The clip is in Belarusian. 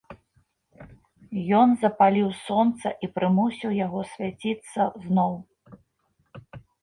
Ён запаліў сонца і прымусіў яго свяціцца зноў!